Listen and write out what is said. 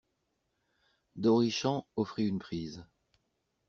D'Orichamps offrit une prise.